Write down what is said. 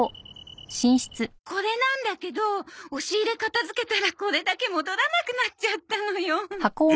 これなんだけど押し入れ片付けたらこれだけ戻らなくなっちゃったのよ。